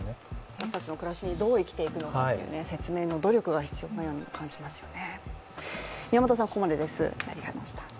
私たちの暮らしにどう生きていくか説明の努力が必要な気がしますよね。